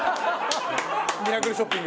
『ミラクルショッピング』。